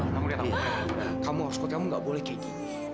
kamu lihat kamu harus kotak kamu gak boleh kayak gini